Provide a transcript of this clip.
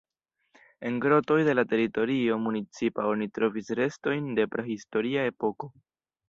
En grotoj de la teritorio municipa oni trovis restojn de prahistoria epoko.